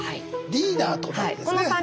リーダーとなんですね。